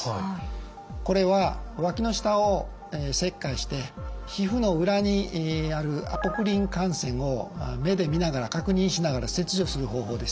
これはわきの下を切開して皮膚の裏にあるアポクリン汗腺を目で見ながら確認しながら切除する方法です。